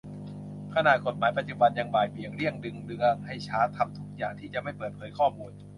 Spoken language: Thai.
ขนาดกฎหมายปัจจุบัน ยังบ่ายเบี่ยง เลี่ยง ดึงเรื่องให้ช้า ทำทุกทางที่จะไม่เปิดเผยข้อมูล